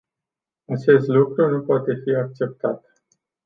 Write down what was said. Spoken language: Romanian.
Acest lucru nu poate fi acceptat.